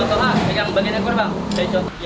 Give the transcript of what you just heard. oke pak tolong yang bagian ekor pak